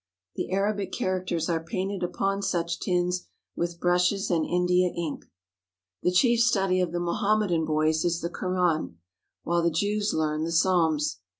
The Arabic characters are painted upon such tins with brushes and India ink. The chief study of the Mohammedan boys is the Koran, while the Jews learn the Psalms.